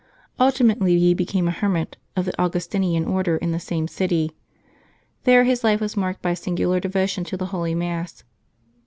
Ultimately he became a her mit of the Augustinian Order, in the same city. There his life was marked by a singular devotion to the Holy Mass.